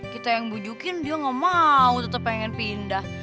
kita yang bujukin dia gak mau tetap pengen pindah